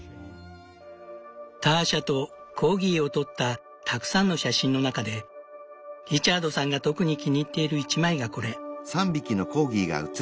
ターシャとコーギーを撮ったたくさんの写真の中でリチャードさんが特に気に入っている一枚がこれ。